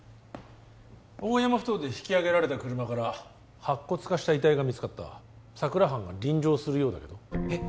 大山ふ頭で引きあげられた車から白骨化した遺体が見つかった佐久良班が臨場するようだけどえっ？